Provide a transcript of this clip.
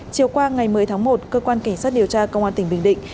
chiều qua ngày một mươi tháng một cơ quan cảnh sát điều tra công an tỉnh bình định